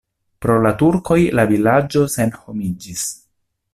Pro la turkoj la vilaĝo senhomiĝis.